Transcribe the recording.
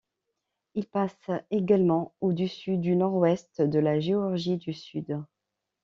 Il passe également au-dessus du nord-ouest de la Géorgie du Sud.